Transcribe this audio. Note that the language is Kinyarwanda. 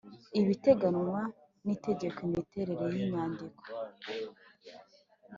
ibiteganywa n Itegeko Imiterere y inyandiko